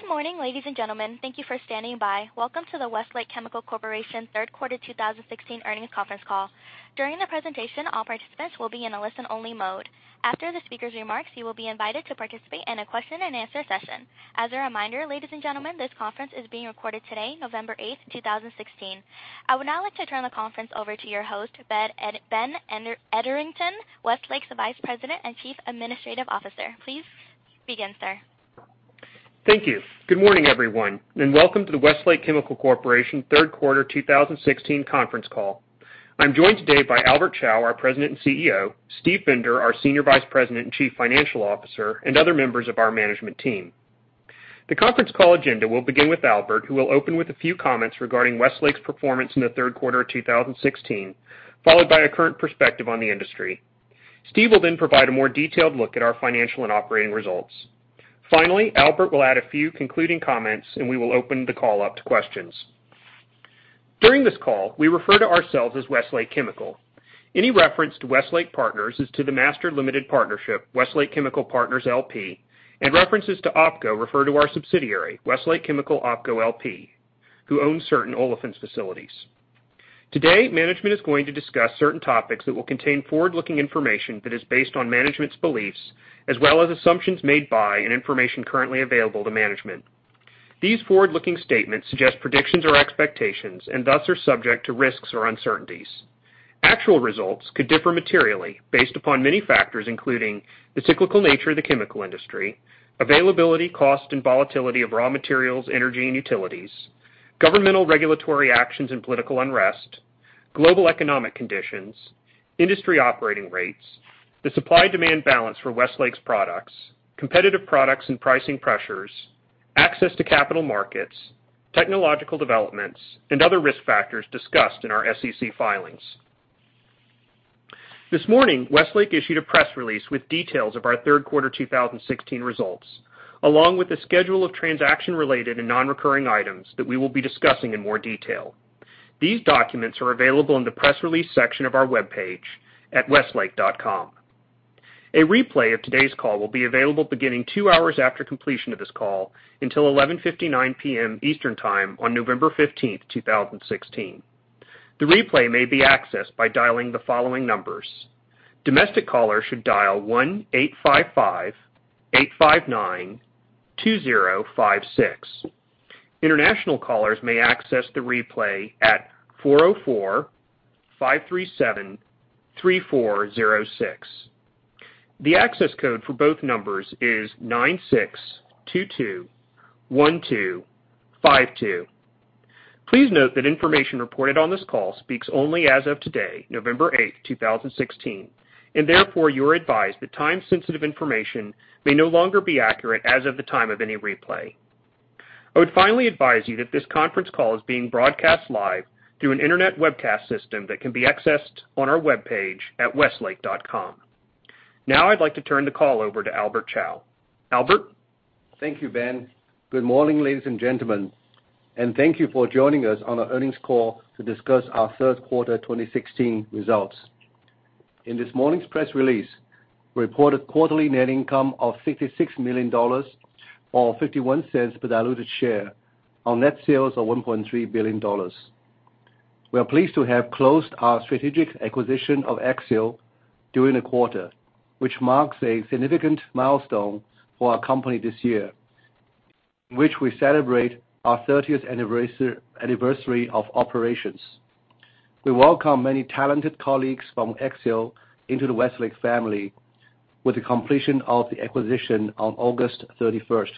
Good morning, ladies and gentlemen. Thank you for standing by. Welcome to the Westlake Chemical Corporation third quarter 2016 earnings conference call. During the presentation, all participants will be in a listen-only mode. After the speaker's remarks, you will be invited to participate in a question-and-answer session. As a reminder, ladies and gentlemen, this conference is being recorded today, November 8th, 2016. I would now like to turn the conference over to your host, Ben Ederington, Westlake's Vice President and Chief Administrative Officer. Please begin, sir. Thank you. Good morning, everyone, welcome to the Westlake Chemical Corporation third quarter 2016 conference call. I'm joined today by Albert Chao, our President and CEO, Steve Bender, our Senior Vice President and Chief Financial Officer, other members of our management team. The conference call agenda will begin with Albert, who will open with a few comments regarding Westlake's performance in the third quarter of 2016, followed by a current perspective on the industry. Steve will then provide a more detailed look at our financial and operating results. Finally, Albert will add a few concluding comments, we will open the call up to questions. During this call, we refer to ourselves as Westlake Chemical. Any reference to Westlake Partners is to the master limited partnership, Westlake Chemical Partners LP, references to OpCo refer to our subsidiary, Westlake Chemical OpCo LP, who owns certain olefins facilities. Today, management is going to discuss certain topics that will contain forward-looking information that is based on management's beliefs as well as assumptions made by and information currently available to management. These forward-looking statements suggest predictions or expectations thus are subject to risks or uncertainties. Actual results could differ materially based upon many factors, including the cyclical nature of the chemical industry; availability, cost, and volatility of raw materials, energy, and utilities; governmental regulatory actions and political unrest; global economic conditions; industry operating rates; the supply-demand balance for Westlake's products; competitive products and pricing pressures; access to capital markets; technological developments; other risk factors discussed in our SEC filings. This morning, Westlake issued a press release with details of our third quarter 2016 results, along with a schedule of transaction related and non-recurring items that we will be discussing in more detail. These documents are available in the press release section of our webpage at westlake.com. A replay of today's call will be available beginning two hours after completion of this call until 11:59 P.M. Eastern Time on November 15th, 2016. The replay may be accessed by dialing the following numbers. Domestic callers should dial 1-855-859-2056. International callers may access the replay at 404-537-3406. The access code for both numbers is 9622 1252. Please note that information reported on this call speaks only as of today, November 8th, 2016, therefore, you are advised that time-sensitive information may no longer be accurate as of the time of any replay. I would finally advise that this conference call is being broadcast live through an internet webcast system that can be accessed on our webpage at westlake.com. Now I'd like to turn the call over to Albert Chao. Albert? Thank you, Ben. Good morning, ladies and gentlemen. Thank you for joining us on our earnings call to discuss our third quarter 2016 results. In this morning's press release, we reported quarterly net income of $56 million, or $0.51 per diluted share on net sales of $1.3 billion. We are pleased to have closed our strategic acquisition of Axiall during the quarter, which marks a significant milestone for our company this year, in which we celebrate our 30th anniversary of operations. We welcome many talented colleagues from Axiall into the Westlake family with the completion of the acquisition on August 31st.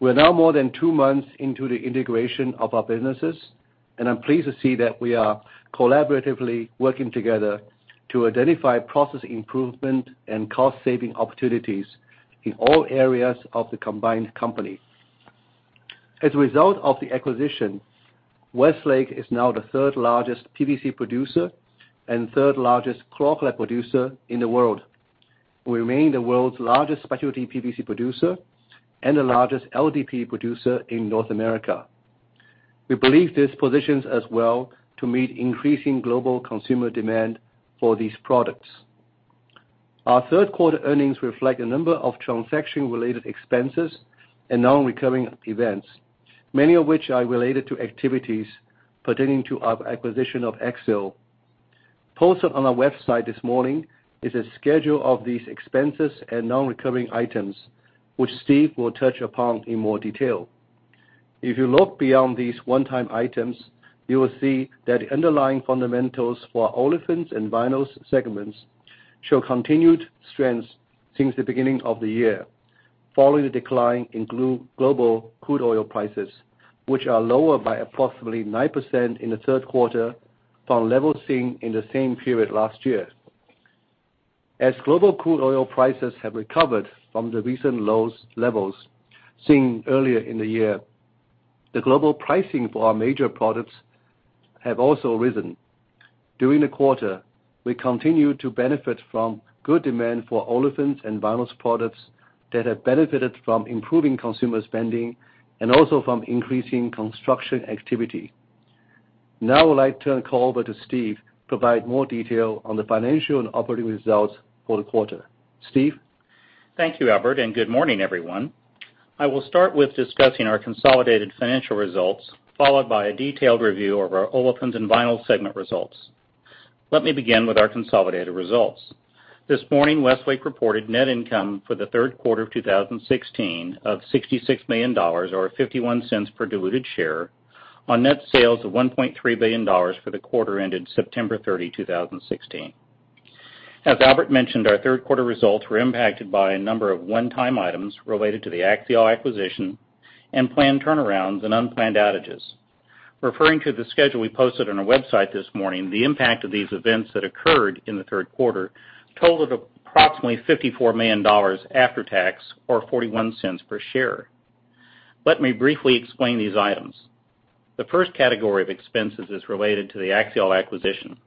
We are now more than two months into the integration of our businesses. I'm pleased to see that we are collaboratively working together to identify process improvement and cost-saving opportunities in all areas of the combined company. As a result of the acquisition, Westlake is now the third largest PVC producer and third largest chlor-alkali producer in the world. We remain the world's largest specialty PVC producer and the largest LDPE producer in North America. We believe this positions us well to meet increasing global consumer demand for these products. Our third quarter earnings reflect a number of transaction-related expenses and non-recurring events, many of which are related to activities pertaining to our acquisition of Axiall. Posted on our website this morning is a schedule of these expenses and non-recurring items, which Steve will touch upon in more detail. If you look beyond these one-time items, you will see that underlying fundamentals for olefins and vinyls segments show continued strength since the beginning of the year, following the decline in global crude oil prices, which are lower by approximately 9% in the third quarter from levels seen in the same period last year. As global crude oil prices have recovered from the recent lowest levels seen earlier in the year, the global pricing for our major products have also risen. During the quarter, we continued to benefit from good demand for olefins and vinyls products that have benefited from improving consumer spending and also from increasing construction activity. I would like to turn the call over to Steve to provide more detail on the financial and operating results for the quarter. Steve? Thank you, Albert. Good morning, everyone. I will start with discussing our consolidated financial results, followed by a detailed review of our Olefins and Vinyls segment results. Let me begin with our consolidated results. This morning, Westlake reported net income for the third quarter of 2016 of $66 million, or $0.51 per diluted share, on net sales of $1.3 billion for the quarter ended September 30, 2016. As Albert mentioned, our third quarter results were impacted by a number of one-time items related to the Axiall acquisition and planned turnarounds and unplanned outages. Referring to the schedule we posted on our website this morning, the impact of these events that occurred in the third quarter totaled approximately $54 million after tax, or $0.41 per share. Let me briefly explain these items. The first category of expenses is related to the Axiall acquisition.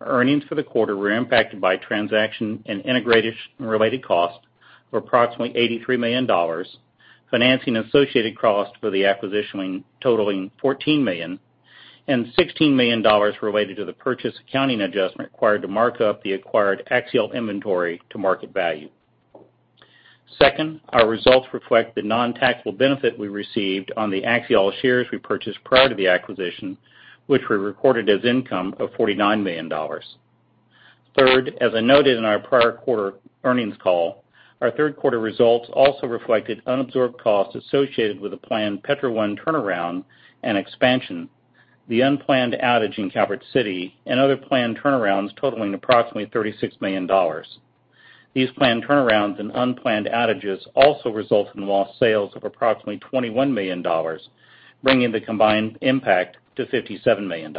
Our earnings for the quarter were impacted by transaction and integration-related costs of approximately $83 million, financing associated costs for the acquisition totaling $14 million, and $16 million related to the purchase accounting adjustment required to mark up the acquired Axiall inventory to market value. Second, our results reflect the non-taxable benefit we received on the Axiall shares we purchased prior to the acquisition, which we recorded as income of $49 million. Third, as I noted in our prior quarter earnings call, our third quarter results also reflected unabsorbed costs associated with the planned Petro 1 turnaround and expansion, the unplanned outage in Calvert City, and other planned turnarounds totaling approximately $36 million. These planned turnarounds and unplanned outages also result in lost sales of approximately $21 million, bringing the combined impact to $57 million.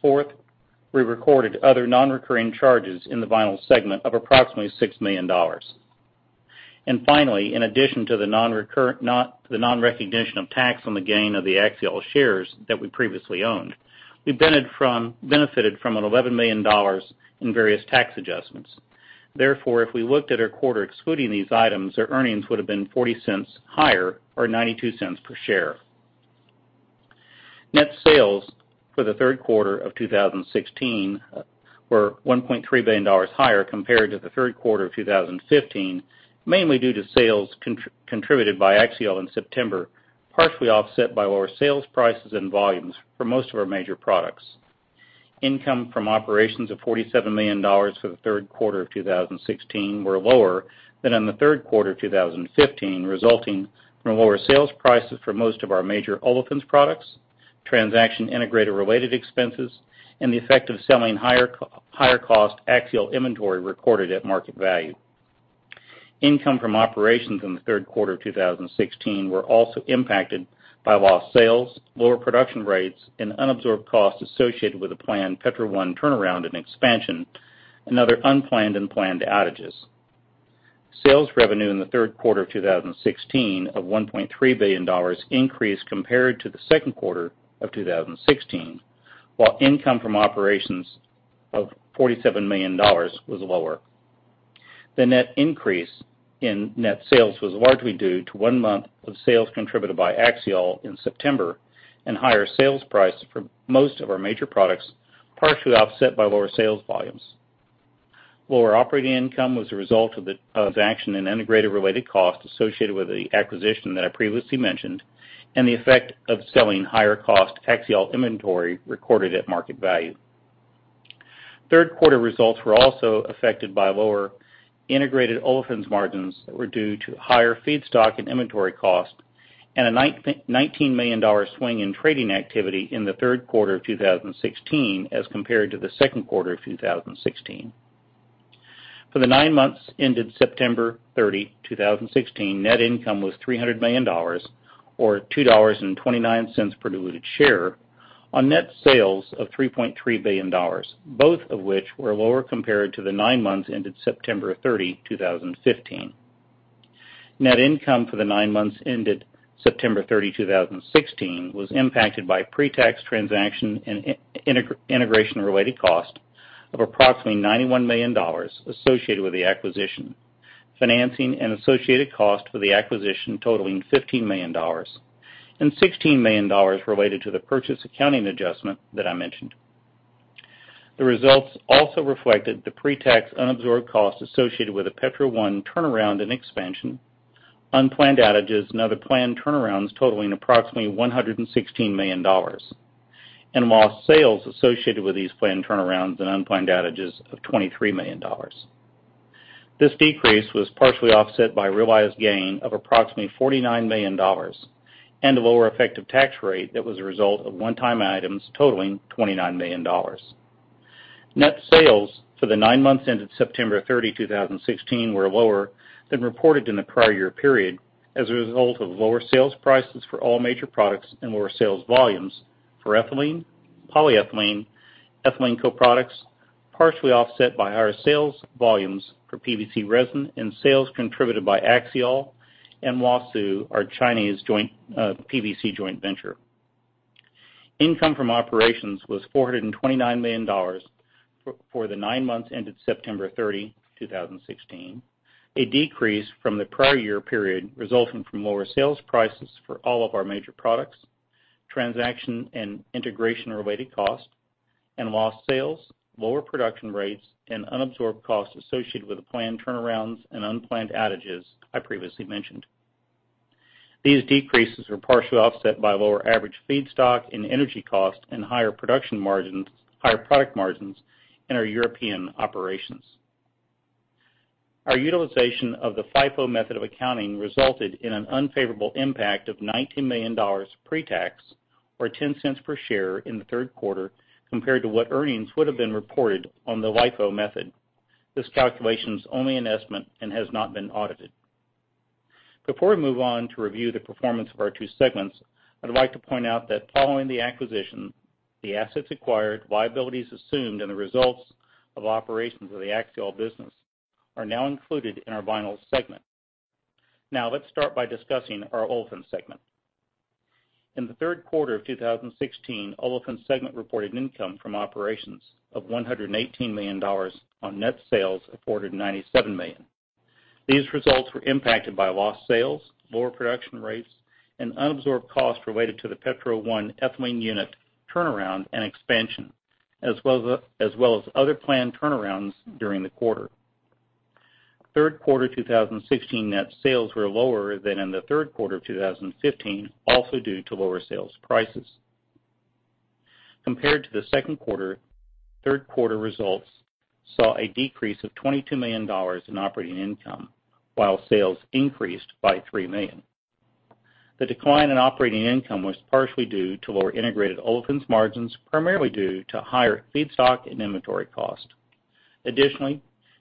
Fourth, we recorded other nonrecurring charges in the Vinyl Segment of approximately $6 million. Finally, in addition to the non-recognition of tax on the gain of the Axiall shares that we previously owned, we benefited from $11 million in various tax adjustments. Therefore, if we looked at our quarter excluding these items, our earnings would have been $0.40 higher, or $0.92 per share. Net sales for the third quarter of 2016 were $1.3 billion higher compared to the third quarter of 2015, mainly due to sales contributed by Axiall in September, partially offset by lower sales prices and volumes for most of our major products. Income from operations of $47 million for the third quarter of 2016 were lower than in the third quarter of 2015, resulting from lower sales prices for most of our major Olefins products, transaction and integration-related expenses, and the effect of selling higher cost Axiall inventory recorded at market value. Income from operations in the third quarter of 2016 were also impacted by lost sales, lower production rates, and unabsorbed costs associated with the planned Petro 1 turnaround and expansion, and other unplanned and planned outages. Sales revenue in the third quarter of 2016 of $1.3 billion increased compared to the second quarter of 2016, while income from operations of $47 million was lower. The net increase in net sales was largely due to one month of sales contributed by Axiall in September and higher sales price for most of our major products, partially offset by lower sales volumes. Lower operating income was a result of transaction and integration-related costs associated with the acquisition that I previously mentioned and the effect of selling higher cost Axiall inventory recorded at market value. Third quarter results were also affected by lower integrated Olefins margins that were due to higher feedstock and inventory costs and a $19 million swing in trading activity in the third quarter of 2016 as compared to the second quarter of 2016. For the nine months ended September 30, 2016, net income was $300 million, or $2.29 per diluted share, on net sales of $3.3 billion, both of which were lower compared to the nine months ended September 30, 2015. Net income for the nine months ended September 30, 2016, was impacted by pre-tax transaction and integration-related costs of approximately $91 million associated with the acquisition, financing, and associated costs for the acquisition totaling $15 million, and $16 million related to the purchase accounting adjustment that I mentioned. The results also reflected the pre-tax unabsorbed costs associated with the Petro 1 turnaround and expansion, unplanned outages, and other planned turnarounds totaling approximately $116 million, and lost sales associated with these planned turnarounds and unplanned outages of $23 million. This decrease was partially offset by realized gain of approximately $49 million and a lower effective tax rate that was a result of one-time items totaling $29 million. Net sales for the nine months ended September 30, 2016, were lower than reported in the prior year period as a result of lower sales prices for all major products and lower sales volumes for ethylene, polyethylene, ethylene co-products, partially offset by higher sales volumes for PVC resin and sales contributed by Axiall and Huasu, our Chinese PVC joint venture. Income from operations was $429 million for the nine months ended September 30, 2016, a decrease from the prior year period resulting from lower sales prices for all of our major products, transaction and integration related costs, and lost sales, lower production rates, and unabsorbed costs associated with the planned turnarounds and unplanned outages I previously mentioned. These decreases were partially offset by lower average feedstock and energy costs and higher production margins, higher product margins in our European operations. Our utilization of the FIFO method of accounting resulted in an unfavorable impact of $19 million pre-tax, or $0.10 per share in the third quarter compared to what earnings would have been reported on the LIFO method. This calculation is only an estimate and has not been audited. Before we move on to review the performance of our two segments, I'd like to point out that following the acquisition, the assets acquired, liabilities assumed, and the results of operations of the Axiall business are now included in our Vinyls segment. Now let's start by discussing our Olefins segment. In the third quarter of 2016, Olefins segment reported income from operations of $118 million on net sales of $497 million. These results were impacted by lost sales, lower production rates, and unabsorbed costs related to the Petro 1 ethylene unit turnaround and expansion, as well as other planned turnarounds during the quarter. Third quarter 2016 net sales were lower than in the third quarter of 2015, also due to lower sales prices. Compared to the second quarter, third quarter results saw a decrease of $22 million in operating income, while sales increased by $3 million. The decline in operating income was partially due to lower integrated Olefins margins, primarily due to higher feedstock and inventory costs. Additionally,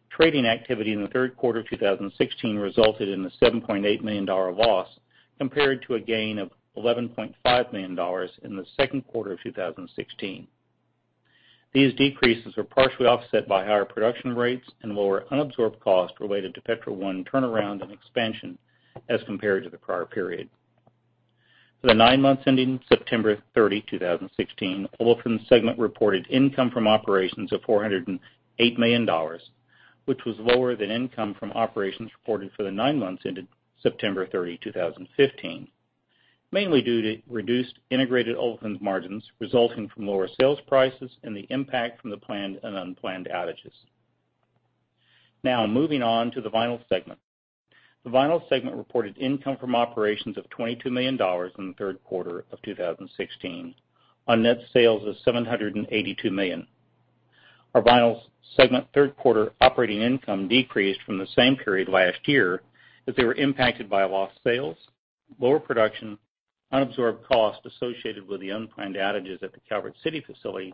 trading activity in the third quarter of 2016 resulted in a $7.8 million loss, compared to a gain of $11.5 million in the second quarter of 2016. These decreases were partially offset by higher production rates and lower unabsorbed costs related to Petro 1 turnaround and expansion as compared to the prior period. For the nine months ending September 30, 2016, Olefins segment reported income from operations of $408 million, which was lower than income from operations reported for the nine months ended September 30, 2015, mainly due to reduced integrated Olefins margins resulting from lower sales prices and the impact from the planned and unplanned outages. Now, moving on to the Vinyls segment. The Vinyls segment reported income from operations of $22 million in the third quarter of 2016 on net sales of $782 million. Our Vinyls segment third quarter operating income decreased from the same period last year, as they were impacted by lost sales, lower production, unabsorbed costs associated with the unplanned outages at the Calvert City facility,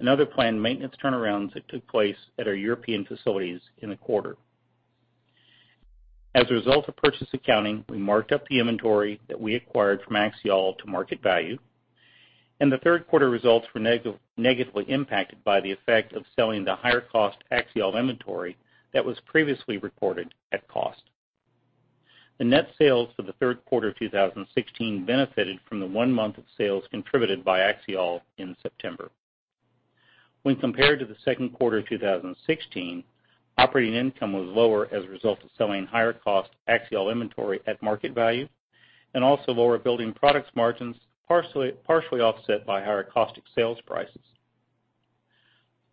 and other planned maintenance turnarounds that took place at our European facilities in the quarter. As a result of purchase accounting, we marked up the inventory that we acquired from Axiall to market value, and the third quarter results were negatively impacted by the effect of selling the higher cost Axiall inventory that was previously reported at cost. The net sales for the third quarter of 2016 benefited from the one month of sales contributed by Axiall in September. When compared to the second quarter of 2016, operating income was lower as a result of selling higher cost Axiall inventory at market value, and also lower Building Products margins partially offset by higher caustic sales prices.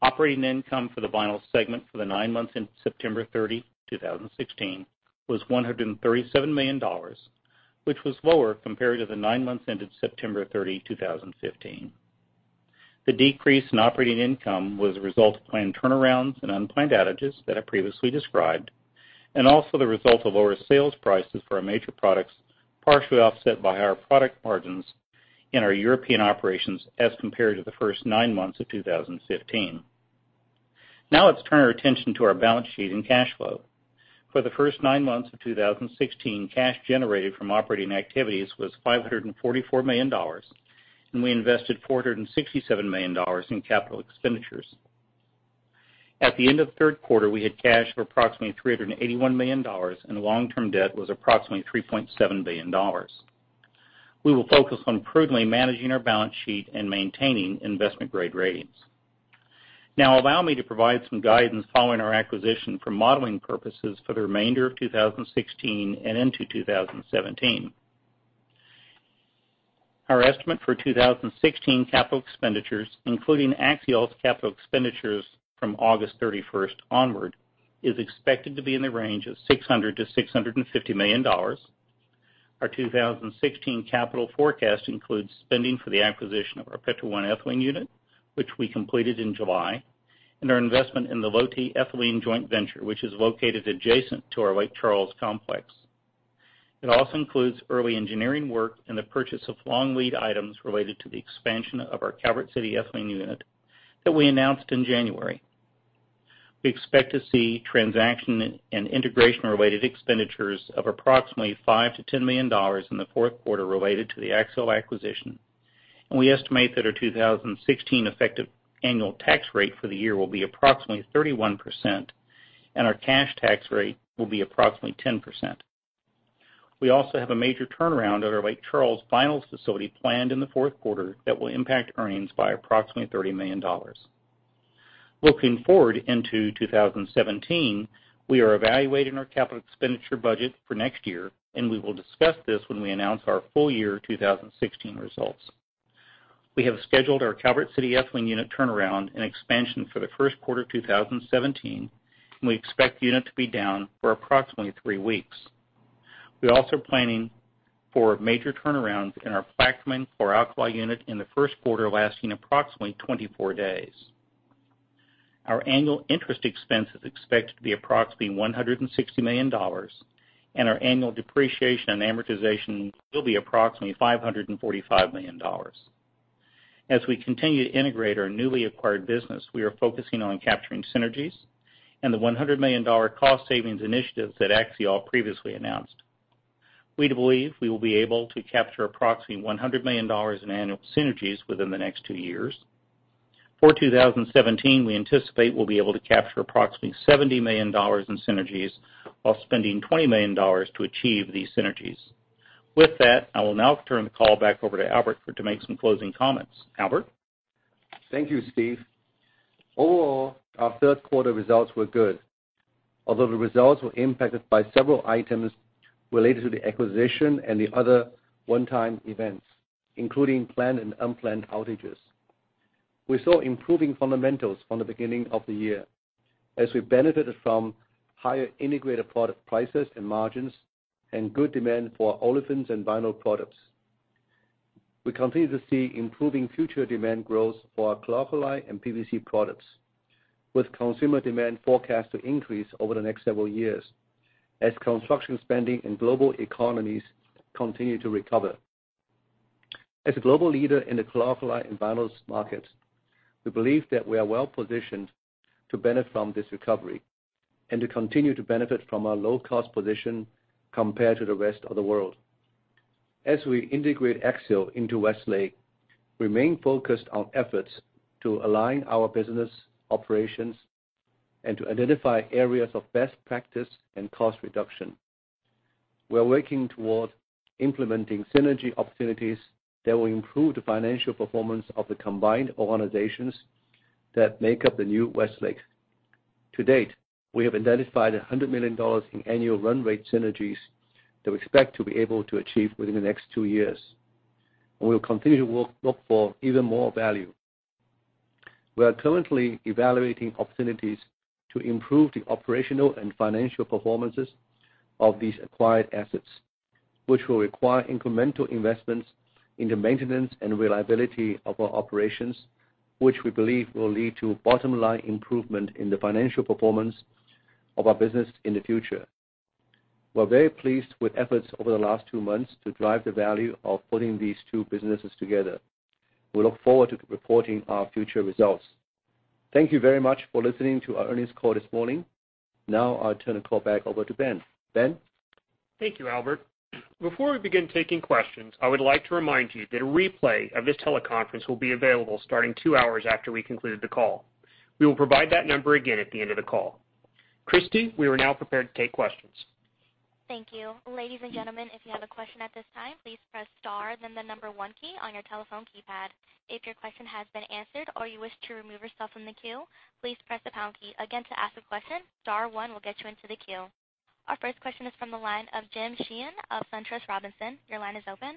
Operating income for the Vinyls segment for the nine months ended September 30, 2016, was $137 million, which was lower compared to the nine months ended September 30, 2015. The decrease in operating income was a result of planned turnarounds and unplanned outages that I previously described, and also the result of lower sales prices for our major products, partially offset by higher product margins in our European operations as compared to the first nine months of 2015. Let's turn our attention to our balance sheet and cash flow. For the first nine months of 2016, cash generated from operating activities was $544 million, we invested $467 million in capital expenditures. At the end of the third quarter, we had cash of approximately $381 million, long-term debt was approximately $3.7 billion. We will focus on prudently managing our balance sheet and maintaining investment-grade ratings. Allow me to provide some guidance following our acquisition for modeling purposes for the remainder of 2016 and into 2017. Our estimate for 2016 capital expenditures, including Axiall's capital expenditures from August 31st onward, is expected to be in the range of $600 million to $650 million. Our 2016 capital forecast includes spending for the acquisition of our Petro 1 ethylene unit, which we completed in July, and our investment in the Lotte ethylene joint venture, which is located adjacent to our Lake Charles complex. It also includes early engineering work and the purchase of long lead items related to the expansion of our Calvert City ethylene unit that we announced in January. We expect to see transaction and integration related expenditures of approximately $5 million to $10 million in the fourth quarter related to the Axiall acquisition, we estimate that our 2016 effective annual tax rate for the year will be approximately 31%, our cash tax rate will be approximately 10%. We also have a major turnaround at our Lake Charles Vinyls facility planned in the fourth quarter that will impact earnings by approximately $30 million. Looking forward into 2017, we are evaluating our capital expenditure budget for next year, we will discuss this when we announce our full year 2016 results. We have scheduled our Calvert City ethylene unit turnaround and expansion for the first quarter of 2017, we expect the unit to be down for approximately three weeks. We're also planning for major turnarounds in our Plaquemine chlor-alkali unit in the first quarter, lasting approximately 24 days. Our annual interest expense is expected to be approximately $160 million, and our annual depreciation and amortization will be approximately $545 million. As we continue to integrate our newly acquired business, we are focusing on capturing synergies and the $100 million cost savings initiatives that Axiall previously announced. We believe we will be able to capture approximately $100 million in annual synergies within the next two years. For 2017, we anticipate we'll be able to capture approximately $70 million in synergies while spending $20 million to achieve these synergies. With that, I will now turn the call back over to Albert to make some closing comments. Albert? Thank you, Steve. Overall, our third quarter results were good. The results were impacted by several items related to the acquisition and the other one-time events, including planned and unplanned outages. We saw improving fundamentals from the beginning of the year as we benefited from higher integrated product prices and margins and good demand for olefins and vinyl products. We continue to see improving future demand growth for our chlor-alkali and PVC products, with consumer demand forecast to increase over the next several years as construction spending and global economies continue to recover. As a global leader in the chlor-alkali and vinyls markets, we believe that we are well positioned to benefit from this recovery and to continue to benefit from our low-cost position compared to the rest of the world. As we integrate Axiall into Westlake, we remain focused on efforts to align our business operations and to identify areas of best practice and cost reduction. We are working toward implementing synergy opportunities that will improve the financial performance of the combined organizations that make up the new Westlake. To date, we have identified $100 million in annual run rate synergies that we expect to be able to achieve within the next two years. We will continue to look for even more value. We are currently evaluating opportunities to improve the operational and financial performances of these acquired assets, which will require incremental investments in the maintenance and reliability of our operations, which we believe will lead to bottom-line improvement in the financial performance of our business in the future. We're very pleased with efforts over the last two months to drive the value of putting these two businesses together. We look forward to reporting our future results. Thank you very much for listening to our earnings call this morning. I'll turn the call back over to Ben. Ben? Thank you, Albert. Before we begin taking questions, I would like to remind you that a replay of this teleconference will be available starting two hours after we conclude the call. We will provide that number again at the end of the call. Christy, we are now prepared to take questions. Thank you. Ladies and gentlemen, if you have a question at this time, please press star then the number one key on your telephone keypad. If your question has been answered or you wish to remove yourself from the queue, please press the pound key. Again, to ask a question, star one will get you into the queue. Our first question is from the line of Jim Sheehan of SunTrust Robinson. Your line is open.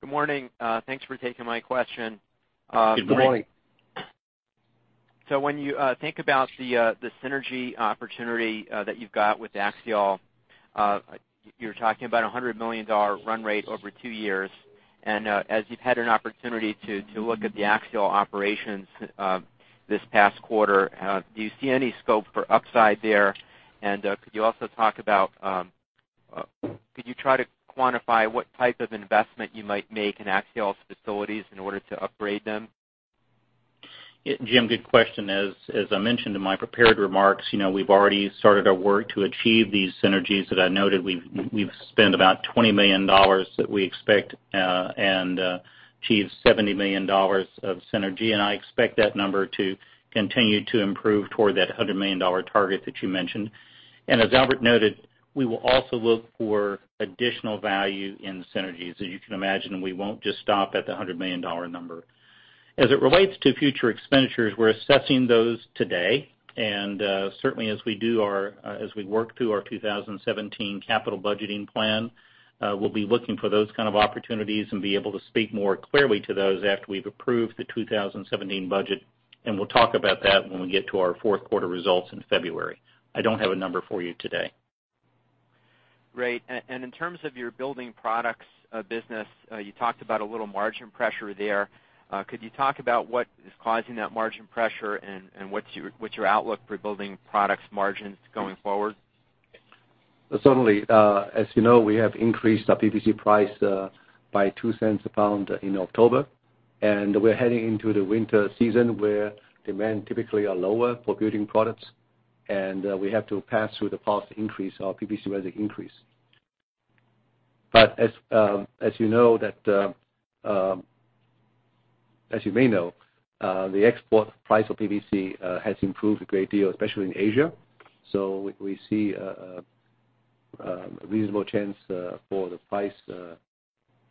Good morning. Thanks for taking my question. Good morning. When you think about the synergy opportunity that you've got with Axiall, you're talking about a $100 million run rate over two years. As you've had an opportunity to look at the Axiall operations this past quarter, do you see any scope for upside there? Could you try to quantify what type of investment you might make in Axiall's facilities in order to upgrade them? Jim, good question. As I mentioned in my prepared remarks, we've already started our work to achieve these synergies that I noted. We've spent about $20 million that we expect and achieved $70 million of synergy. I expect that number to continue to improve toward that $100 million target that you mentioned. As Albert noted, we will also look for additional value in synergies. As you can imagine, we won't just stop at the $100 million number. As it relates to future expenditures, we're assessing those today, certainly as we work through our 2017 capital budgeting plan, we'll be looking for those kind of opportunities and be able to speak more clearly to those after we've approved the 2017 budget. We'll talk about that when we get to our fourth quarter results in February. I don't have a number for you today. Great. In terms of your building products business, you talked about a little margin pressure there. Could you talk about what is causing that margin pressure and what's your outlook for building products margins going forward? Certainly. As you know, we have increased our PVC price by $0.02 a pound in October. We're heading into the winter season where demand typically are lower for building products. We have to pass through the cost increase, our PVC resin increase. As you may know, the export price of PVC has improved a great deal, especially in Asia. We see a reasonable chance for the price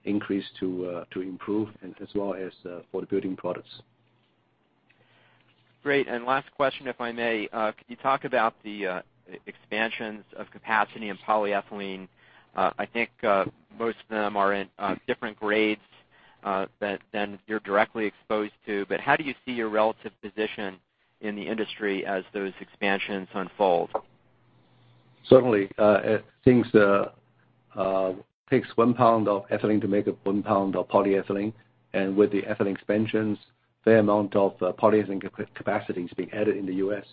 increase to improve and as well as for the building products. Last question, if I may. Could you talk about the expansions of capacity in polyethylene? I think most of them are in different grades than you're directly exposed to, but how do you see your relative position in the industry as those expansions unfold? Certainly. It takes one pound of ethylene to make one pound of polyethylene. With the ethylene expansions, fair amount of polyethylene capacity is being added in the U.S.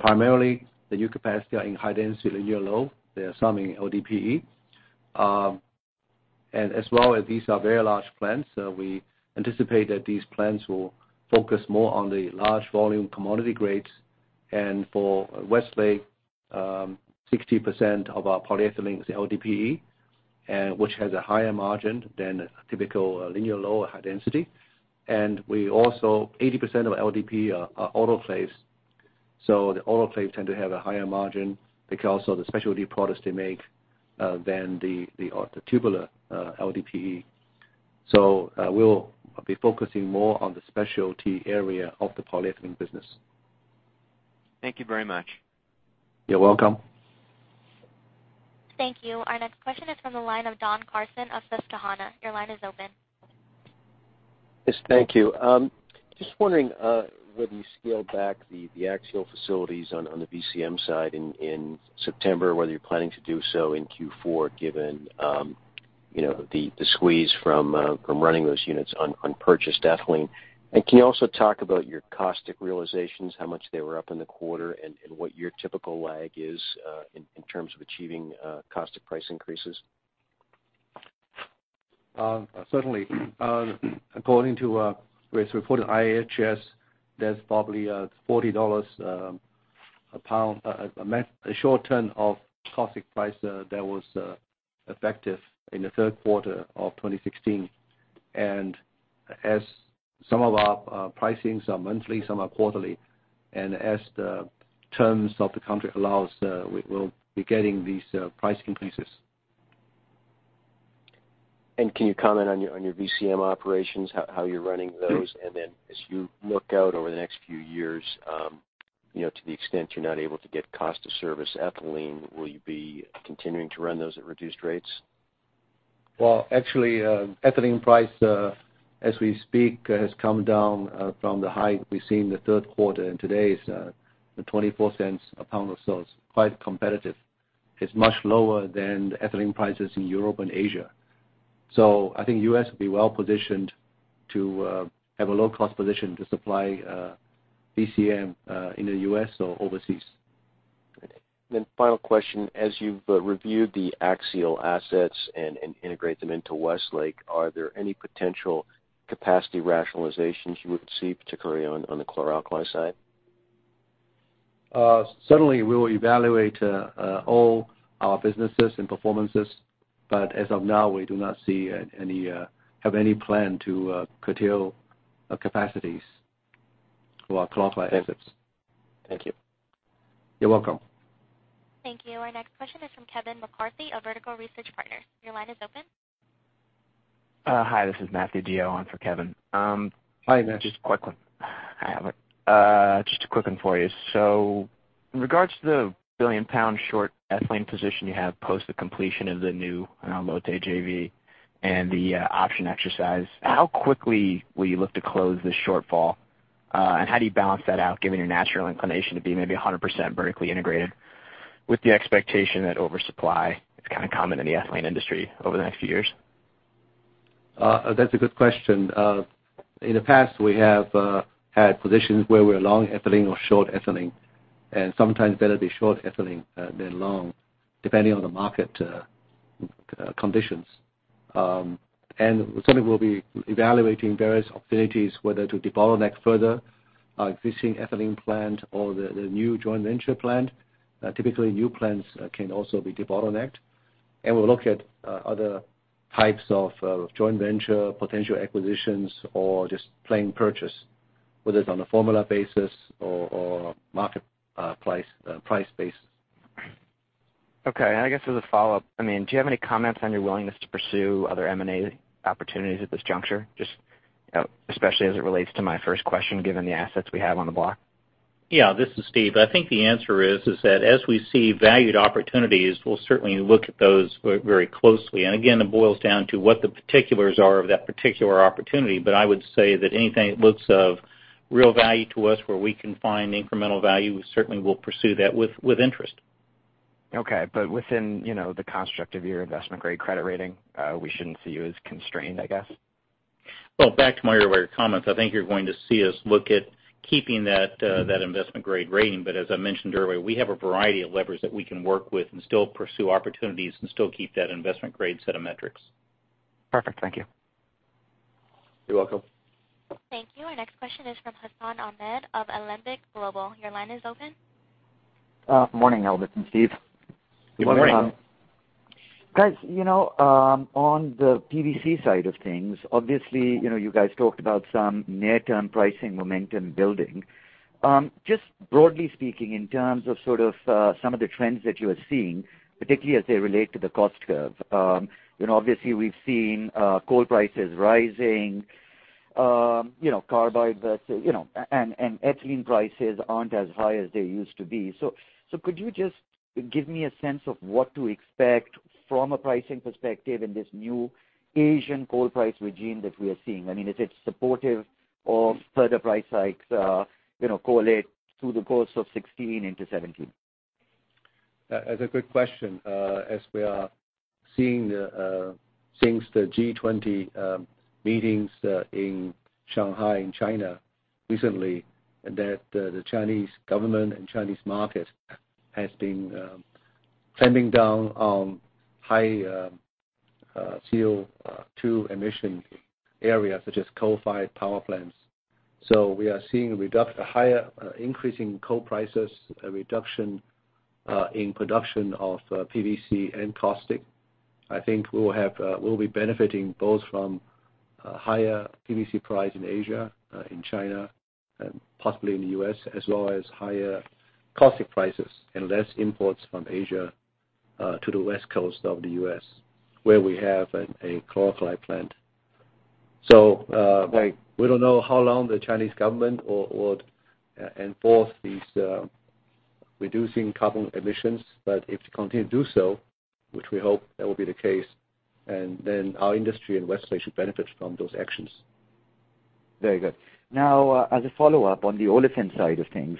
Primarily, the new capacity are in high density, linear low. There are some in LDPE. As well as these are very large plants, we anticipate that these plants will focus more on the large volume commodity grades. For Westlake, 60% of our polyethylene is LDPE, which has a higher margin than a typical linear low or high density. We also, 80% of LDPE are autoclaves. The autoclaves tend to have a higher margin because of the specialty products they make than the tubular LDPE. We'll be focusing more on the specialty area of the polyethylene business. Thank you very much. You're welcome. Thank you. Our next question is from the line of Don Carson of Susquehanna. Your line is open. Yes. Thank you. Just wondering whether you scaled back the Axiall facilities on the VCM side in September, whether you're planning to do so in Q4, given the squeeze from running those units on purchased ethylene. Can you also talk about your caustic realizations, how much they were up in the quarter, and what your typical lag is in terms of achieving caustic price increases? Certainly. According to what is reported IHS, there's probably $40 a pound, a short ton of caustic price that was effective in the third quarter of 2016. As some of our pricings are monthly, some are quarterly. As the terms of the contract allows, we'll be getting these price increases. Can you comment on your VCM operations, how you're running those? Then as you look out over the next few years, to the extent you're not able to get cost to service ethylene, will you be continuing to run those at reduced rates? Well, actually, ethylene price as we speak has come down from the high we see in the third quarter, and today it is at $0.24 a pound or so. It is quite competitive. It is much lower than the ethylene prices in Europe and Asia. I think U.S. will be well-positioned to have a low-cost position to supply VCM in the U.S. or overseas. Final question, as you have reviewed the Axiall assets and integrate them into Westlake, are there any potential capacity rationalizations you would see, particularly on the chlor-alkali side? Certainly, we will evaluate all our businesses and performances. As of now, we do not have any plan to curtail capacities for our chlor-alkali assets. Thank you. You're welcome. Thank you. Our next question is from Kevin McCarthy of Vertical Research Partners. Your line is open. Hi, this is Matthew DeYoe on for Kevin. Hi, Matthew. Just a quick one. Hi. Just a quick one for you. In regards to the billion pound short ethylene position you have post the completion of the new Lotte JV and the option exercise, how quickly will you look to close this shortfall? And how do you balance that out given your natural inclination to be maybe 100% vertically integrated with the expectation that oversupply is kind of common in the ethylene industry over the next few years? That's a good question. In the past, we have had positions where we're long ethylene or short ethylene, and sometimes better be short ethylene than long, depending on the market conditions. Certainly, we'll be evaluating various opportunities whether to debottleneck further existing ethylene plant or the new joint venture plant. Typically, new plants can also be debottlenecked. We'll look at other types of joint venture potential acquisitions or just plain purchase, whether it's on a formula basis or market price basis. Okay. I guess as a follow-up, do you have any comments on your willingness to pursue other M&A opportunities at this juncture, just especially as it relates to my first question, given the assets we have on the block? Yeah. This is Steve. I think the answer is that as we see valued opportunities, we'll certainly look at those very closely. Again, it boils down to what the particulars are of that particular opportunity. I would say that anything that looks of real value to us where we can find incremental value, we certainly will pursue that with interest. Okay. Within the construct of your investment-grade credit rating, we shouldn't see you as constrained, I guess? Back to my earlier comments, I think you're going to see us look at keeping that investment-grade rating. As I mentioned earlier, we have a variety of levers that we can work with and still pursue opportunities and still keep that investment grade set of metrics. Perfect. Thank you. You're welcome. Thank you. Our next question is from Hassan Ahmed of Alembic Global. Your line is open. Morning, Albert and Steve. Good morning. Good morning. Guys, on the PVC side of things, obviously, you guys talked about some near-term pricing momentum building. Just broadly speaking, in terms of some of the trends that you are seeing, particularly as they relate to the cost curve. Obviously, we've seen coal prices rising, carbide versus and ethylene prices aren't as high as they used to be. Could you just give me a sense of what to expect from a pricing perspective in this new Asian coal price regime that we are seeing? Is it supportive of further price hikes collate through the course of 2016 into 2017? That's a good question. As we are seeing since the G20 meetings in Shanghai, in China recently, that the Chinese government and Chinese market has been trending down on high CO2 emission areas such as coal-fired power plants. We are seeing a higher increasing coal prices, a reduction in production of PVC and caustic. I think we'll be benefiting both from a higher PVC price in Asia, in China, and possibly in the U.S., as well as higher caustic prices and less imports from Asia to the West Coast of the U.S., where we have a chlor-alkali plant. Right We don't know how long the Chinese government would enforce these reducing carbon emissions. If they continue to do so, which we hope that will be the case, then our industry and Westlake should benefit from those actions. Very good. Now, as a follow-up on the olefin side of things.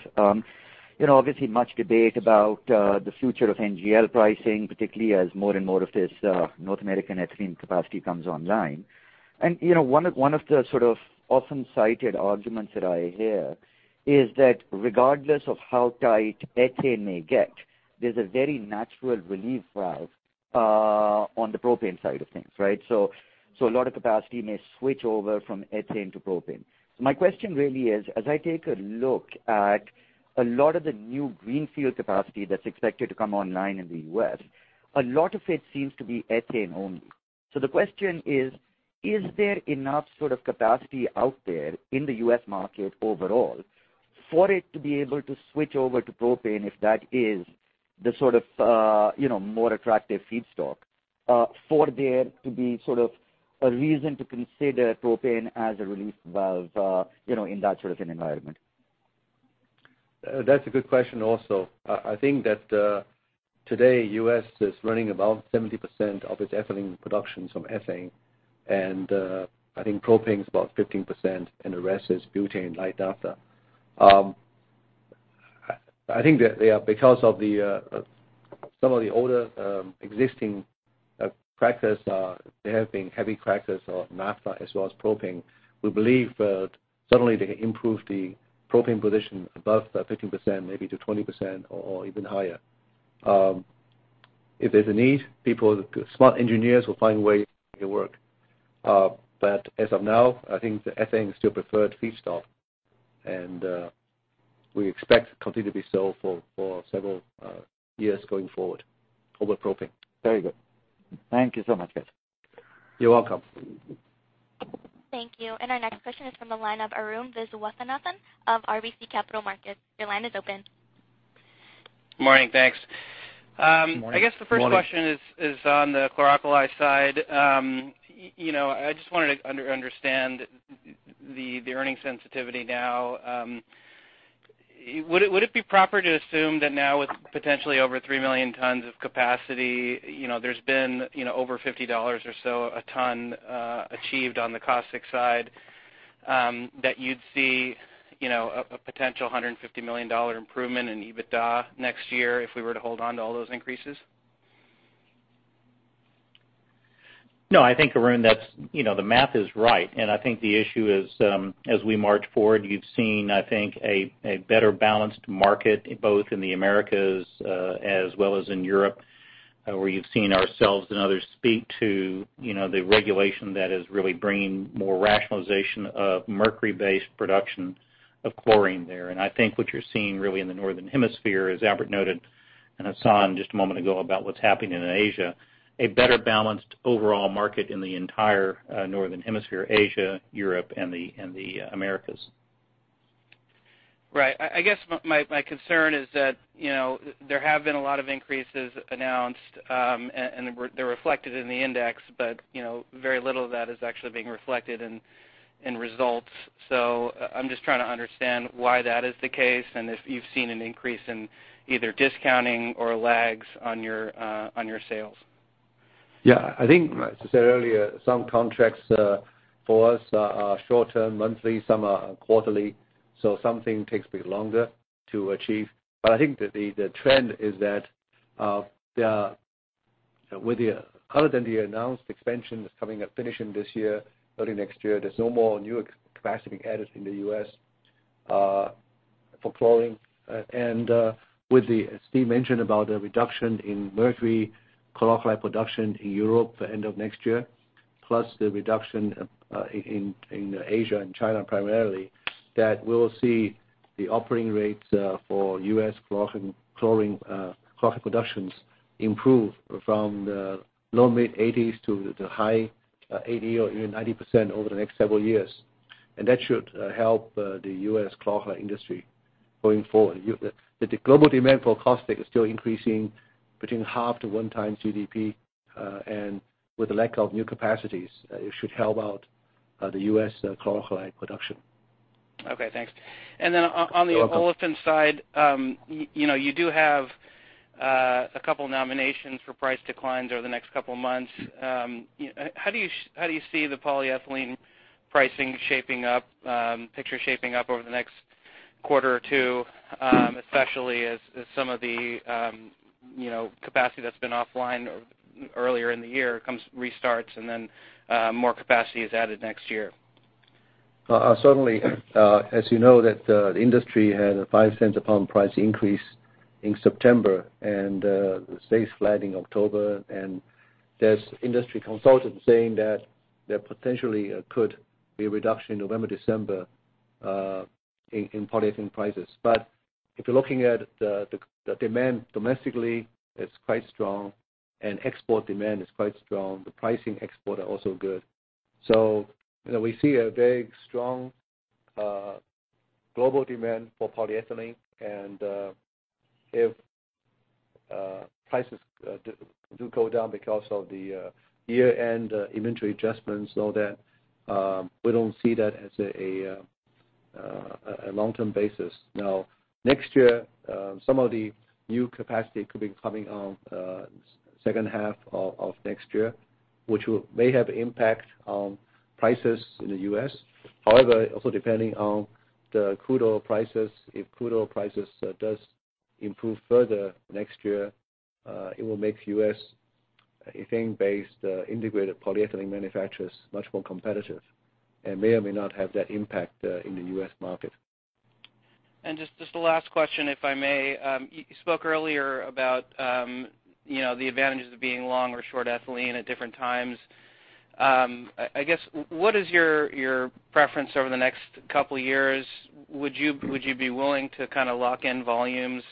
Obviously, much debate about the future of NGL pricing, particularly as more and more of this North American ethylene capacity comes online. One of the often-cited arguments that I hear is that regardless of how tight ethane may get, there's a very natural relief valve on the propane side of things, right? A lot of capacity may switch over from ethane to propane. My question really is, as I take a look at a lot of the new greenfield capacity that's expected to come online in the U.S., a lot of it seems to be ethane only. Is there enough capacity out there in the U.S. market overall for it to be able to switch over to propane, if that is the more attractive feedstock, for there to be a reason to consider propane as a relief valve in that sort of an environment? That's a good question also. I think that today, U.S. is running about 70% of its ethylene production from ethane, and I think propane is about 15%, and the rest is butane, light naphtha. I think that because of some of the older existing crackers, there have been heavy crackers of naphtha as well as propane. We believe certainly they can improve the propane position above 15%, maybe to 20% or even higher. If there's a need, smart engineers will find a way to make it work. As of now, I think the ethane is still preferred feedstock, and we expect it continue to be so for several years going forward over propane. Very good. Thank you so much, guys. You're welcome. Thank you. Our next question is from the line of Arun Viswanathan of RBC Capital Markets. Your line is open. Morning, thanks. Morning. Morning. I guess the first question is on the chlor-alkali side. I just wanted to understand the earning sensitivity now. Would it be proper to assume that now with potentially over 3 million tons of capacity, there's been over $50 or so a ton achieved on the caustic side that you'd see a potential $150 million improvement in EBITDA next year if we were to hold on to all those increases? No, I think, Arun, the math is right. I think the issue is as we march forward, you've seen, I think, a better balanced market, both in the Americas as well as in Europe, where you've seen ourselves and others speak to the regulation that is really bringing more rationalization of mercury-based production of chlorine there. I think what you're seeing really in the Northern Hemisphere, as Albert noted, and Hassan just a moment ago about what's happening in Asia, a better balanced overall market in the entire Northern Hemisphere, Asia, Europe, and the Americas. Right. I guess my concern is that there have been a lot of increases announced, and they're reflected in the index, but very little of that is actually being reflected in results. I'm just trying to understand why that is the case, and if you've seen an increase in either discounting or lags on your sales. Yeah. I think as I said earlier, some contracts for us are short-term, monthly, some are quarterly. Something takes a bit longer to achieve. I think the trend is that other than the announced expansion that's coming up finishing this year, early next year, there's no more new capacity added in the U.S. for chlorine. As Steve mentioned about the reduction in mercury chlor-alkali production in Europe the end of next year, plus the reduction in Asia and China primarily, we'll see the operating rates for U.S. chlor-alkali productions improve from the low mid-80s to the high 80% or even 90% over the next several years. That should help the U.S. chlor-alkali industry going forward. The global demand for caustic is still increasing between half to one times GDP, and with the lack of new capacities, it should help out the U.S. chlor-alkali production. Okay, thanks. You're welcome. On the olefins side, you do have a couple nominations for price declines over the next couple of months. How do you see the polyethylene pricing picture shaping up over the next quarter or two, especially as some of the capacity that's been offline earlier in the year restarts and then more capacity is added next year? Certainly. As you know that the industry had a $0.05 a pound price increase in September and stays flat in October, and there's industry consultants saying that there potentially could be a reduction in November, December, in polyethylene prices. If you're looking at the demand domestically, it's quite strong, and export demand is quite strong. The pricing export are also good. We see a very strong global demand for polyethylene, and if prices do go down because of the year-end inventory adjustments and all that, we don't see that as a long-term basis. Next year, some of the new capacity could be coming on second half of next year, which may have impact on prices in the U.S. Also depending on the crude oil prices. If crude oil prices does improve further next year, it will make U.S. ethane-based integrated polyethylene manufacturers much more competitive, and may or may not have that impact in the U.S. market. Just the last question, if I may. You spoke earlier about the advantages of being long or short ethylene at different times. What is your preference over the next couple of years? Would you be willing to lock in volumes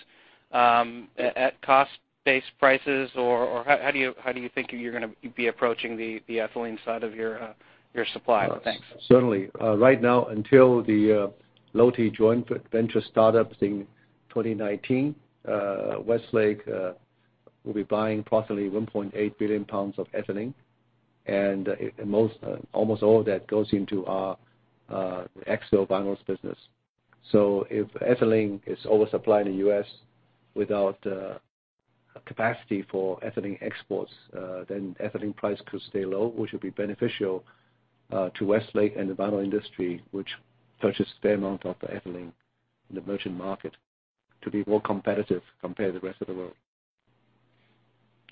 at cost-based prices, or how do you think you're going to be approaching the ethylene side of your supply? Thanks. Certainly. Right now, until the Lotte joint venture startups in 2019, Westlake will be buying approximately 1.8 billion pounds of ethylene, almost all of that goes into our Axiall vinyls business. If ethylene is oversupplied in the U.S. without capacity for ethylene exports, ethylene price could stay low, which would be beneficial to Westlake and the vinyl industry, which purchases a fair amount of the ethylene in the merchant market to be more competitive compared to the rest of the world.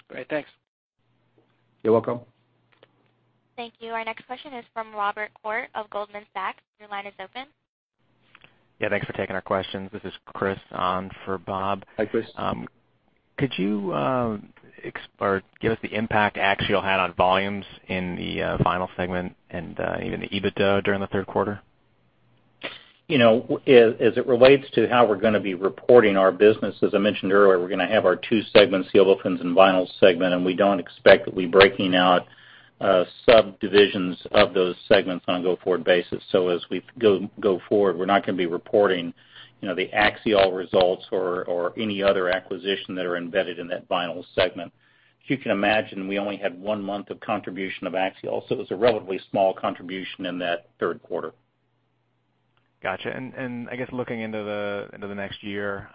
Great, thanks. You're welcome. Thank you. Our next question is from Robert Koort of Goldman Sachs. Your line is open. Yeah, thanks for taking our questions. This is Chris on for Bob. Hi, Chris. Could you give us the impact Axiall had on volumes in the Vinyl Segment and even the EBITDA during the third quarter? As it relates to how we're going to be reporting our business, as I mentioned earlier, we're going to have our two segments, the Olefins and Vinyl Segment, and we don't expect that we breaking out subdivisions of those segments on a go-forward basis. As we go forward, we're not going to be reporting the Axiall results or any other acquisition that are embedded in that Vinyl Segment. As you can imagine, we only had one month of contribution of Axiall, so it was a relatively small contribution in that third quarter. Got you. I guess looking into the next year,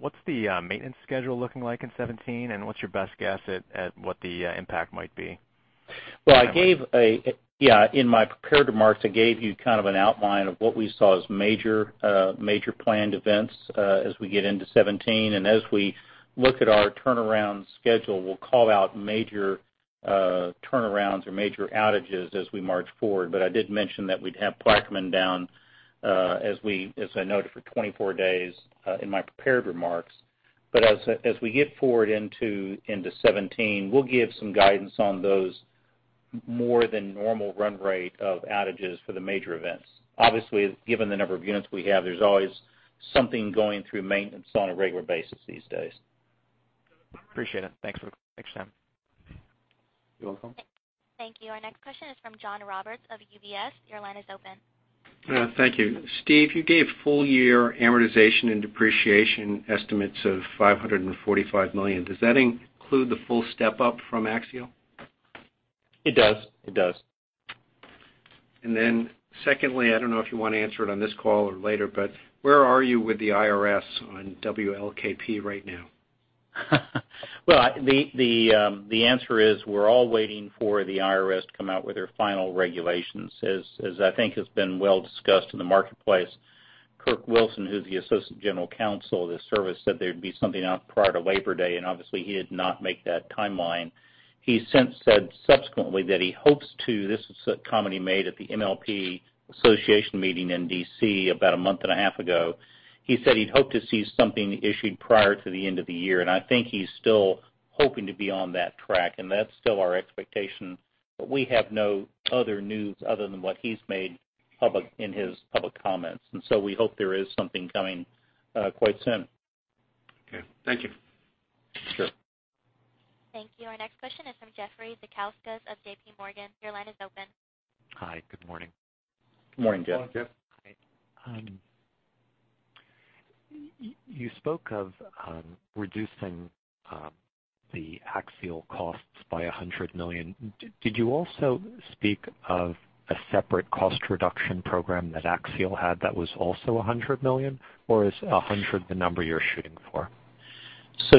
what's the maintenance schedule looking like in 2017, and what's your best guess at what the impact might be? Yeah. In my prepared remarks, I gave you kind of an outline of what we saw as major planned events as we get into 2017. As we look at our turnaround schedule, we'll call out major turnarounds or major outages as we march forward. I did mention that we'd have Plaquemine down, as I noted, for 24 days in my prepared remarks. As we get forward into 2017, we'll give some guidance on those more than normal run rate of outages for the major events. Obviously, given the number of units we have, there's always something going through maintenance on a regular basis these days. Appreciate it. Thanks. Will connect next time. You're welcome. Thank you. Our next question is from John Roberts of UBS. Your line is open. Thank you. Steve, you gave full year amortization and depreciation estimates of $545 million. Does that include the full step-up from Axiall? It does. Secondly, I don't know if you want to answer it on this call or later, but where are you with the IRS on WLKP right now? Well, the answer is we're all waiting for the IRS to come out with their final regulations. As I think has been well discussed in the marketplace, Kirk Wilson, who's the associate general counsel of the service, said there'd be something out prior to Labor Day. Obviously, he did not make that timeline. He since said subsequently that he hopes to. This is a comment he made at the MLP Association meeting in D.C. about a month and a half ago. He said he'd hope to see something issued prior to the end of the year, and I think he's still Hoping to be on that track. That's still our expectation. We have no other news other than what he's made public in his public comments. We hope there is something coming quite soon. Okay. Thank you. Sure. Thank you. Our next question is from Jeffrey Zekauskas of J.P. Morgan. Your line is open. Hi, good morning. Morning, Jeff. Morning, Jeff. Hi. You spoke of reducing the Axiall costs by $100 million. Did you also speak of a separate cost reduction program that Axiall had that was also $100 million, or is $100 the number you're shooting for?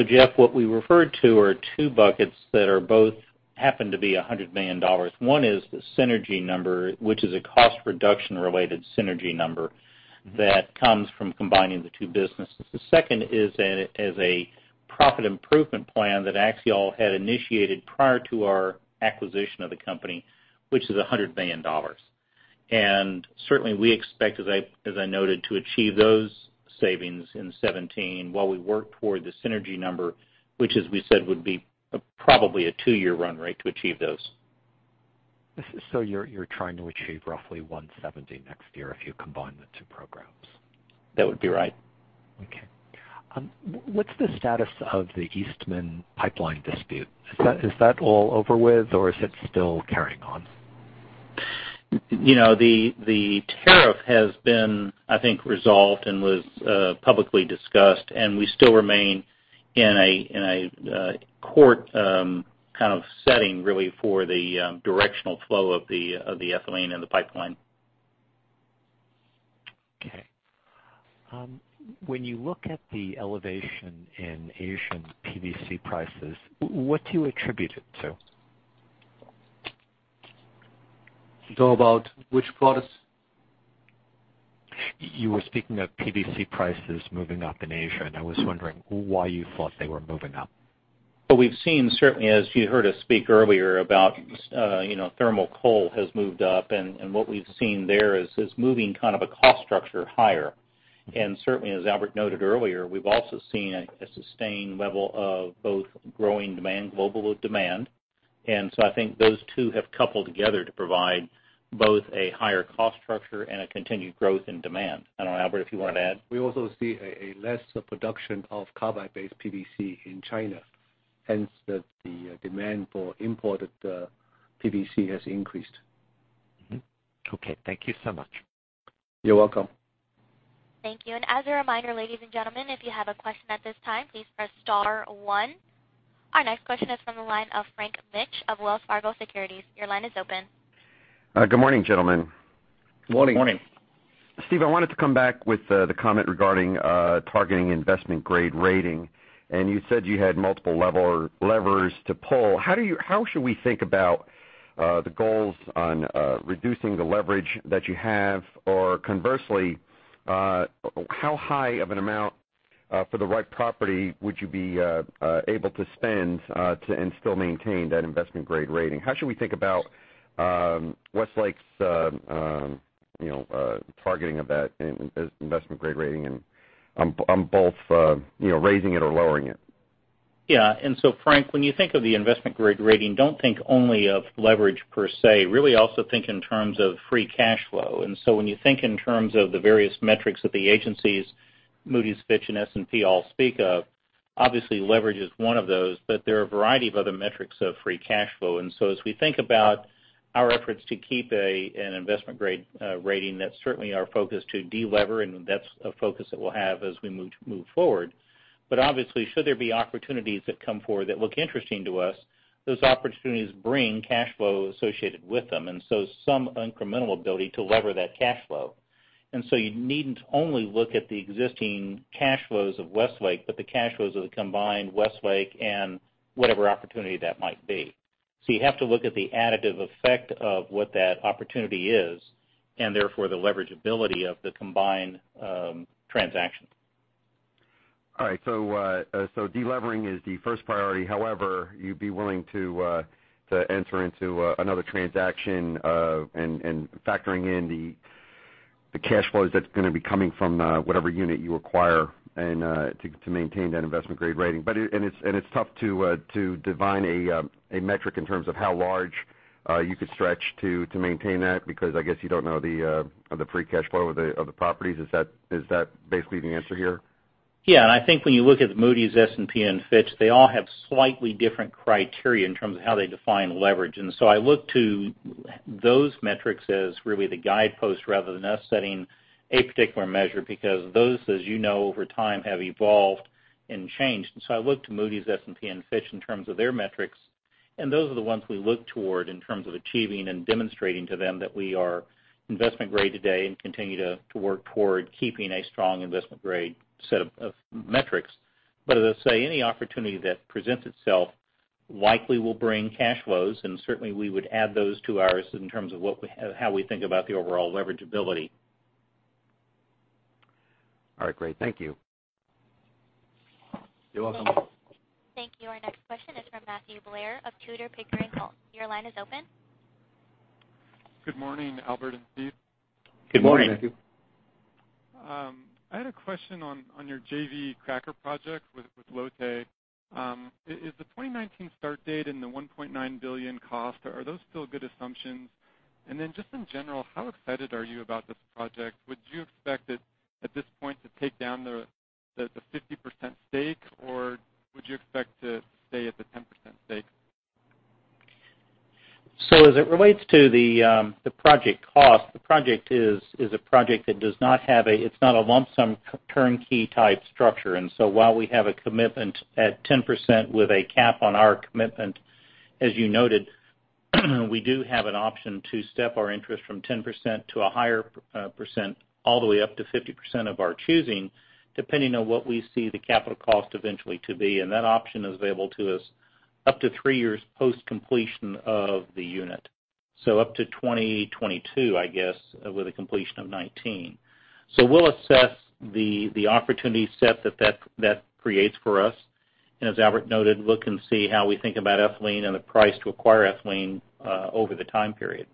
Jeff, what we referred to are two buckets that both happen to be $100 million. One is the synergy number, which is a cost reduction related synergy number that comes from combining the two businesses. The second is a profit improvement plan that Axiall had initiated prior to our acquisition of the company, which is $100 million. Certainly, we expect, as I noted, to achieve those savings in 2017 while we work toward the synergy number, which as we said, would be probably a two-year run rate to achieve those. You're trying to achieve roughly 170 next year if you combine the two programs? That would be right. Okay. What's the status of the Eastman pipeline dispute? Is that all over with, or is it still carrying on? The tariff has been, I think, resolved and was publicly discussed, and we still remain in a court kind of setting, really, for the directional flow of the ethylene and the pipeline. Okay. When you look at the elevation in Asian PVC prices, what do you attribute it to? You talk about which products? You were speaking of PVC prices moving up in Asia, and I was wondering why you thought they were moving up. What we've seen, certainly as you heard us speak earlier about thermal coal has moved up, what we've seen there is moving kind of a cost structure higher. Certainly, as Albert noted earlier, we've also seen a sustained level of both growing demand, global demand. I think those two have coupled together to provide both a higher cost structure and a continued growth in demand. I don't know, Albert, if you want to add. We also see a lesser production of carbide-based PVC in China, hence that the demand for imported PVC has increased. Okay. Thank you so much. You're welcome. Thank you. As a reminder, ladies and gentlemen, if you have a question at this time, please press star one. Our next question is from the line of Frank Mitsch of Wells Fargo Securities. Your line is open. Good morning, gentlemen. Morning. Morning. Steve, I wanted to come back with the comment regarding targeting investment grade rating, you said you had multiple levers to pull. How should we think about the goals on reducing the leverage that you have? Or conversely, how high of an amount for the right property would you be able to spend and still maintain that investment grade rating? How should we think about Westlake's targeting of that investment grade rating on both raising it or lowering it? Yeah. Frank, when you think of the investment grade rating, don't think only of leverage per se. Really also think in terms of free cash flow. When you think in terms of the various metrics that the agencies, Moody's, Fitch, and S&P all speak of, obviously leverage is one of those, but there are a variety of other metrics of free cash flow. As we think about our efforts to keep an investment grade rating, that's certainly our focus to de-lever, that's a focus that we'll have as we move forward. Obviously, should there be opportunities that come forward that look interesting to us, those opportunities bring cash flow associated with them, some incremental ability to lever that cash flow. You needn't only look at the existing cash flows of Westlake, but the cash flows of the combined Westlake and whatever opportunity that might be. You have to look at the additive effect of what that opportunity is, and therefore the leverage ability of the combined transaction. All right. De-levering is the first priority. However, you'd be willing to enter into another transaction, and factoring in the cash flows that's going to be coming from whatever unit you acquire to maintain that investment grade rating. It's tough to divine a metric in terms of how large you could stretch to maintain that because I guess you don't know the free cash flow of the properties. Is that basically the answer here? Yeah, I think when you look at Moody's, S&P and Fitch, they all have slightly different criteria in terms of how they define leverage. I look to those metrics as really the guidepost rather than us setting a particular measure because those, as you know, over time, have evolved and changed. I look to Moody's, S&P and Fitch in terms of their metrics, and those are the ones we look toward in terms of achieving and demonstrating to them that we are investment grade today and continue to work toward keeping a strong investment grade set of metrics. As I say, any opportunity that presents itself likely will bring cash flows, and certainly, we would add those to ours in terms of how we think about the overall leverage ability. All right, great. Thank you. You're welcome. Thank you. Our next question is from Matthew Blair of Tudor, Pickering, Holt. Your line is open. Good morning, Albert and Steve. Good morning. Good morning. I had a question on your JV cracker project with Lotte. Is the 2019 start date and the $1.9 billion cost, are those still good assumptions? Just in general, how excited are you about this project? Would you expect it at this point to take down the 50% stake, or would you expect to stay at the 10% stake? As it relates to the project cost, the project is a project that it's not a lump sum turnkey type structure. While we have a commitment at 10% with a cap on our commitment, as you noted, we do have an option to step our interest from 10% to a higher %, all the way up to 50% of our choosing, depending on what we see the capital cost eventually to be. That option is available to us up to three years post completion of the unit. Up to 2022, I guess, with a completion of 2019. We'll assess the opportunity set that that creates for us, as Albert noted, look and see how we think about ethylene and the price to acquire ethylene over the time period.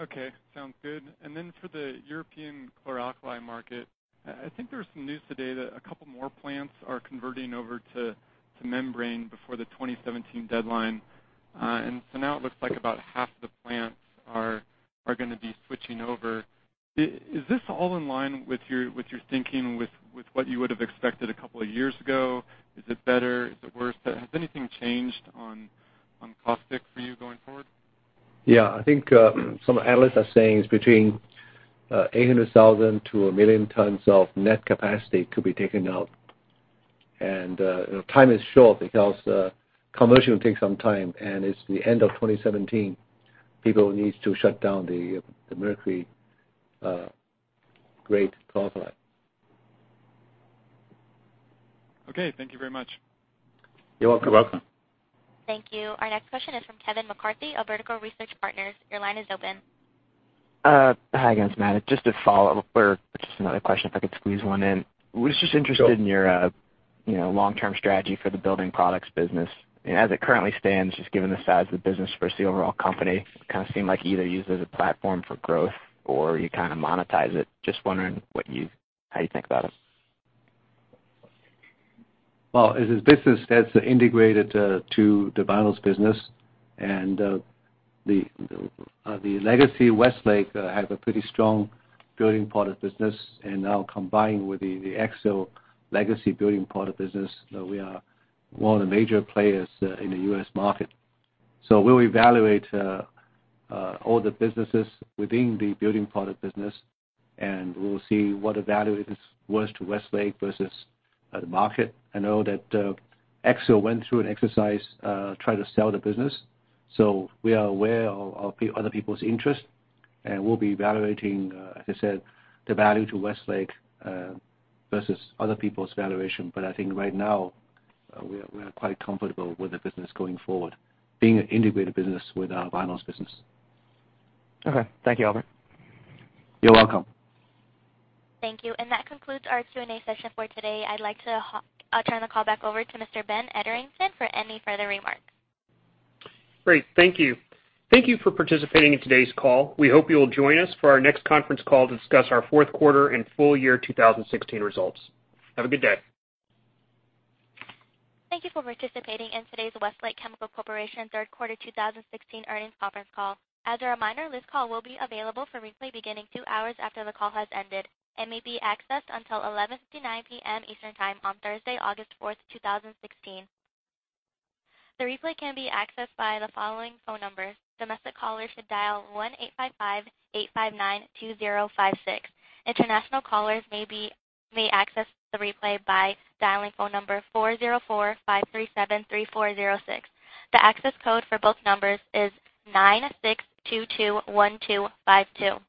Okay, sounds good. For the European chlor-alkali market, I think there was some news today that a couple more plants are converting over to membrane before the 2017 deadline. Now it looks like about half the plants are going to be switching over. Is this all in line with your thinking with what you would have expected a couple of years ago? Is it better? Is it worse? Has anything changed on caustic for you going forward? Yeah, I think some analysts are saying it's between 800,000-1 million tons of net capacity could be taken out. Time is short because conversion takes some time, and it's the end of 2017. People need to shut down the mercury grade chlor-alkali. Okay, thank you very much. You're welcome. You're welcome. Thank you. Our next question is from Kevin McCarthy, Vertical Research Partners. Your line is open. Hi, guys, Matt. Just a follow-up, or just another question if I could squeeze one in. Was just interested in your long-term strategy for the building products business. As it currently stands, just given the size of the business versus the overall company, kind of seem like you either use it as a platform for growth, or you kind of monetize it. Just wondering how you think about it. Well, it's a business that's integrated to the vinyls business. The legacy Westlake has a pretty strong building product business. Now combined with the Axiall legacy building product business, we are one of the major players in the U.S. market. We'll evaluate all the businesses within the building product business, and we'll see what the value is worth to Westlake versus the market. I know that Axiall went through an exercise trying to sell the business. We are aware of other people's interest, and we'll be evaluating, as I said, the value to Westlake versus other people's valuation. I think right now, we are quite comfortable with the business going forward, being an integrated business with our vinyls business. Okay. Thank you, Albert. You're welcome. Thank you. That concludes our Q&A session for today. I'd like to turn the call back over to Mr. Ben Ederington for any further remarks. Great. Thank you. Thank you for participating in today's call. We hope you will join us for our next conference call to discuss our fourth quarter and full year 2016 results. Have a good day. Thank you for participating in today's Westlake Chemical Corporation third quarter 2016 earnings conference call. As a reminder, this call will be available for replay beginning two hours after the call has ended and may be accessed until 11:59 P.M. Eastern Time on Thursday, August 4, 2016. The replay can be accessed by the following phone numbers. Domestic callers should dial 1-855-859-2056. International callers may access the replay by dialing phone number 404-537-3406. The access code for both numbers is 96221252.